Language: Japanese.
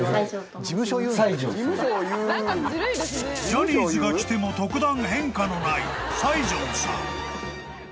［ジャニーズが来ても特段変化のない西條さん］